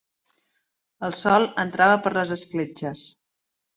El sol entrava per les escletxes.